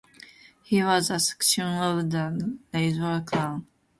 He was a scion of the Rathore clan.